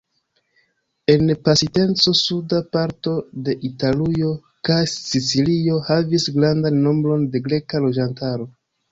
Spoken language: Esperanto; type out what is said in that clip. En pasinteco suda parto de Italujo kaj Sicilio havis grandan nombron de greka loĝantaro.